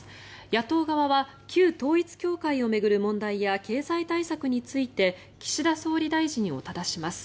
野党側は旧統一教会を巡る問題や経済対策について岸田総理大臣をただします。